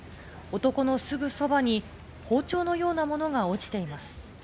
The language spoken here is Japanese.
男のすぐそばに包丁のような物が落ちています。